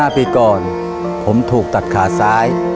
๕ปีก่อนผมถูกตัดขาซ้าย